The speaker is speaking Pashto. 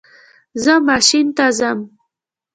زه ماشین ته ځم